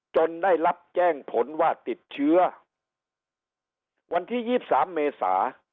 ได้รับแจ้งผลว่าติดเชื้อวันที่๒๓เมษา